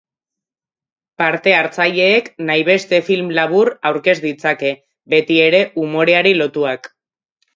Parte hartzaileek nahi beste film labur aurkez ditzake, beti ere umoreari lotuak.